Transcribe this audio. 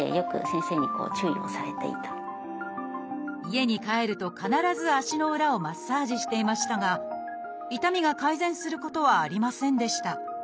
家に帰ると必ず足の裏をマッサージしていましたが痛みが改善することはありませんでした。